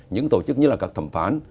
những tổ chức như là các thẩm phán